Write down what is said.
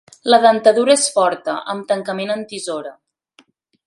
La dentadura és forta, amb tancament en tisora.